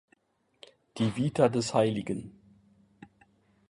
Die "Vita des hl.